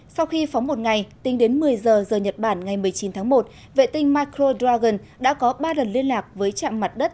sau khi phóng một ngày tính đến một mươi giờ giờ nhật bản ngày một mươi chín tháng một vệ tinh micro dragon đã có ba lần liên lạc với trạm mặt đất